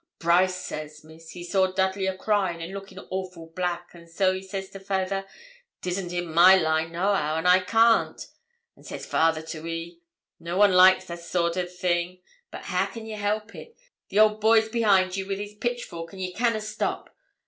'Brice said, Miss, he saw Dudley a cryin' and lookin' awful black, and says he to fayther, "'Tisn't in my line nohow, an' I can't;" and says fayther to he, "No one likes they soart o' things, but how can ye help it? The old boy's behind ye wi' his pitchfork, and ye canna stop."